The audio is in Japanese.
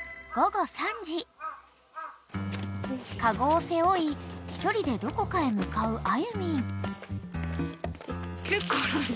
［籠を背負い１人でどこかへ向かうあゆみん］